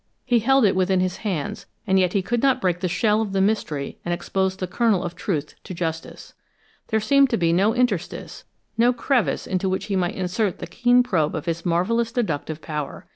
He held it within his hands, and yet he could not break the shell of the mystery and expose the kernel of truth to justice. There seemed to be no interstice, no crevice into which he might insert the keen probe of his marvelous deductive power.